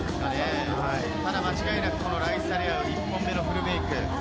まだ間違いなくライッサ・レアウ、１本目のフルメイク。